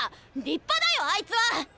立派だよあいつは！